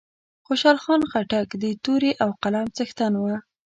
خوشحال خان خټک د تورې او قلم څښتن وو